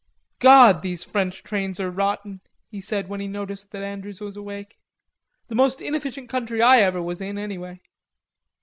"God! These French trains are rotten," he said when he noticed that Andrews was awake. "The most inefficient country I ever was in anyway."